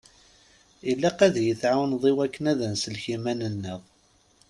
Ilaq ad yi-tɛawneḍ i wakken ad nsellek iman-nneɣ.